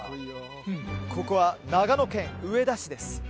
ここは長野県上田市です